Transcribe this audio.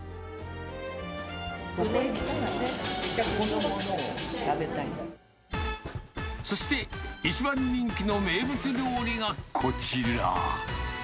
ここへ来たらね、日光のものそして、一番人気の名物料理がこちら。